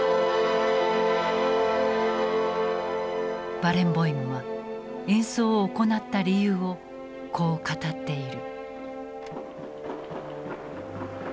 バレンボイムは演奏を行った理由をこう語っている。